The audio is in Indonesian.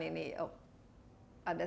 sebenarnya sudah cukup diselenggarakan dan